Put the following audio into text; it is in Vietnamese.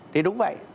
thì đúng vậy